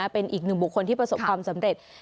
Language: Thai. เป็นอีกหนึ่งบุคคลที่ประสบความสำเร็จ